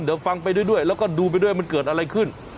เดี๋ยวฟังไปด้วยแล้วก็ดูไปด้วยมันเกิดอะไรขึ้น